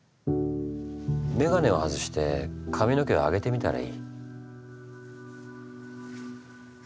眼鏡を外して髪の毛を上げてみたらいい。